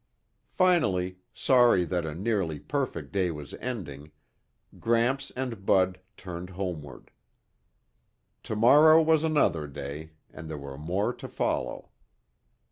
Finally, sorry that a nearly perfect day was ending, Gramps and Bud turned homeward. Tomorrow was another day and there were more to follow.